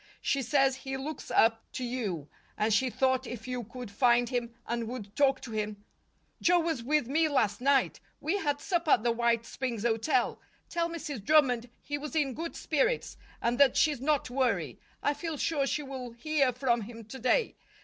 She says he looks up to you, and she thought if you could find him and would talk to him " "Joe was with me last night. We had supper at the White Springs Hotel. Tell Mrs. Drummond he was in good spirits, and that she's not to worry. I feel sure she will hear from him to day.